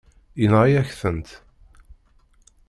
Yenɣa-yak-tent.